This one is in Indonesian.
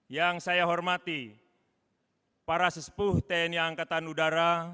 yang saya hormati para sesepuh tni angkatan udara